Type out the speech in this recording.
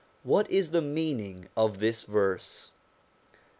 What is the meaning of this verse